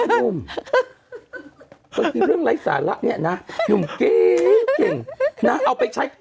โอ้โอ้โหมตอนนี้เรื่องไร้สาระเนี่ยนะโอ้โหมเก่งเอาไปใช้